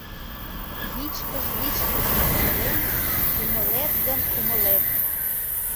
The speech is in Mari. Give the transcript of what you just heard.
Вичкыж-вичкыж кумылем Умылет гын умылет.